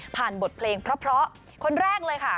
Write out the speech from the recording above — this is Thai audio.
บทเพลงเพราะคนแรกเลยค่ะ